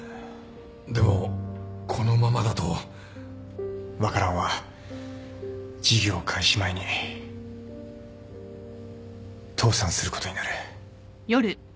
でもこのままだと。ワカランは事業開始前に倒産することになる。